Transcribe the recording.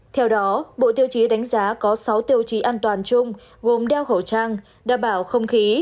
theo đó bộ tiêu chí đánh giá có sáu tiêu chí an toàn chung gồm đeo khẩu trang đảm bảo không khí